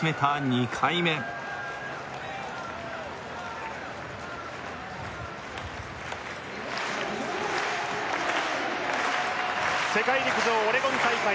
２回目世界陸上オレゴン大会